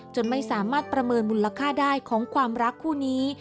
จนไม่สามารถประเมินมูลค่าได้ของความรักคู่นี้